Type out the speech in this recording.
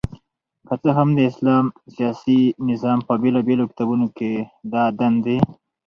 که څه هم د اسلام سياسي نظام په بيلابېلو کتابونو کي دا دندي